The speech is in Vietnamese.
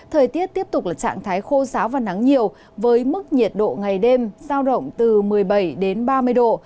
thời tiết tiếp tục là trạng thái khô giáo và nắng nhiều với mức nhiệt độ ngày đêm giao động từ một mươi bảy đến ba mươi độ